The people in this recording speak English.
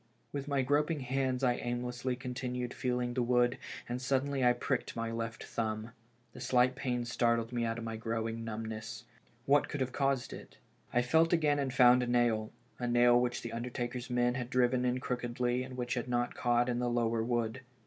With my groping hands I aimlessly continued feeling the wood, and suddenly I pricked my left thumb. The slight pain startled me out of my growing numbness. What could have caused it? I felt again, and found a nail — a nail which the undertaker's men had driven in crookedly and which had not caught in the lower wood.